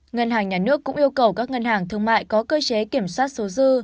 ngân hàng nhà nước cũng yêu cầu các ngân hàng thương mại có cơ chế kiểm soát số dư